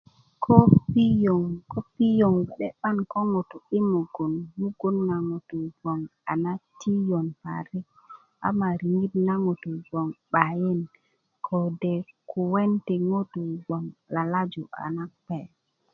ko piöŋ ko piöŋ bge'de 'ban ko ŋutu i mugun mugun na ŋutu gbon a na tiyön parik ama riŋit na ŋutu gboŋ 'bayin ko de kuwen ti ŋutu gbon lalaju a na kpe